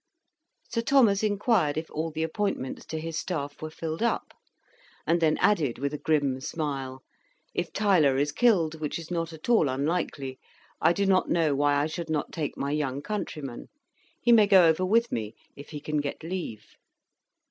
Sir Thomas inquired if all the appointments to his staff were filled up; and then added, with a grim smile, "If Tyler is killed, which is not at all unlikely, I do not know why I should not take my young countryman: he may go over with me if he can get leave."